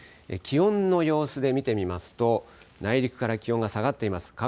気温の様子で見てみますと内陸から気温が下がっています。